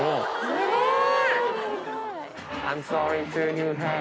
すごい！